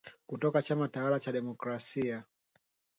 kutoka chama tawala cha Demokrasia